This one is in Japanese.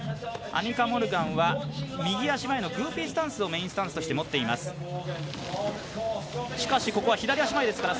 アニカ・モルガンは右足前のグーフィースタンスをメインスタンスとして持ってます。